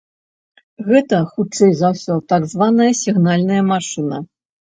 Гэта, хутчэй за ўсё, так званая сігнальная машына.